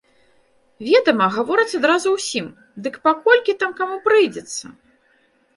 Ведама, гавораць адразу ўсім, дык па колькі там каму прыйдзецца!